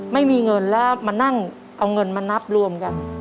ไม่มีเงินแล้วมานั่งเอาเงินมานับรวมกัน